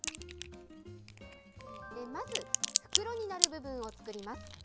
まず、袋になる部分を作ります。